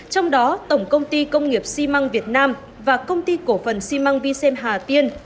trong đó tổng công ty công nghiệp xi măng việt nam và công ty cổ phần xi măng vi xem hà tiên